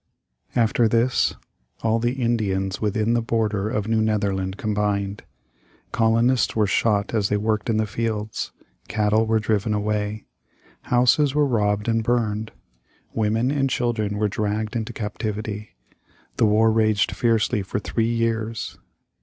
After this, all the Indians within the border of New Netherland combined. Colonists were shot as they worked in the fields. Cattle were driven away. Houses were robbed and burned. Women and children were dragged into captivity. The war raged fiercely for three years.